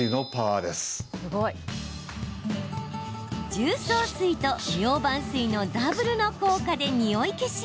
重曹水とミョウバン水のダブルの効果でにおい消し。